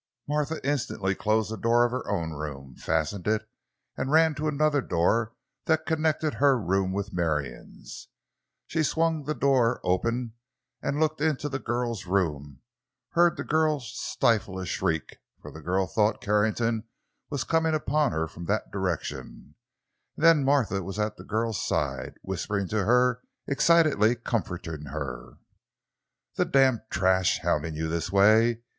Martha instantly closed the door of her own room, fastened it and ran to another door that connected her room with Marion's. She swung that door open and looked into the girl's room; heard the girl stifle a shriek—for the girl thought Carrington was coming upon her from that direction—and then Martha was at the girl's side, whispering to her—excitedly comforting her. "The damn trash—houndin' you this way!